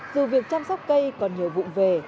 dù việc chăm sóc cây còn nhiều vụn về